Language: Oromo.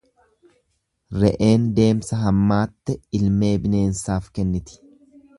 Re'een deemsa hammaatte ilmee bineensaaf kenniti.